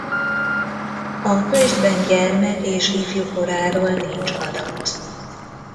A könyvben gyermek és ifjúkoráról nincs adat.